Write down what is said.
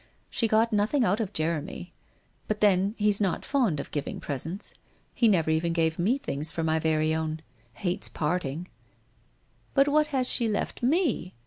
She got nothing out of Jeremy; but then he's not fond of giving presents. He never even gives me things for my very own. Hates parting. But what has she left me?